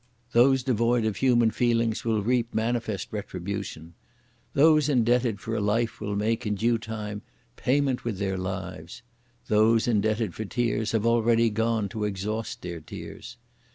those devoid of human feelings will reap manifest retribution! Those indebted for a life will make, in due time, payment with their lives; those indebted for tears have already (gone) to exhaust their tears!